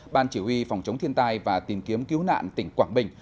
ban chỉ huy phòng chống thiên tai và tìm kiếm cứu nạn tỉnh quảng bình